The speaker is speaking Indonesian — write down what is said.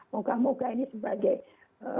moga moga ini sebagai suntikan yang kedua